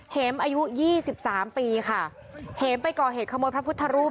เหมอายุยี่สิบสามปีค่ะเห็มไปก่อเหตุขโมยพระพุทธรูป